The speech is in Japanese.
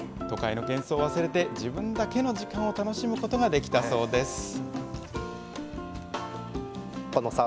都会のけん騒を忘れて、自分だけの時間を楽しむことができたそうです。